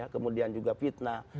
kemudian juga fitnah